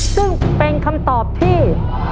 ซึ่งเป็นคำตอบที่